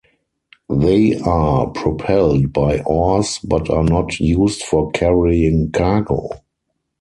They are propelled by oars but are not used for carrying cargo.